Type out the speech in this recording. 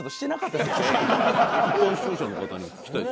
一般視聴者の方にも聞きたいですよね。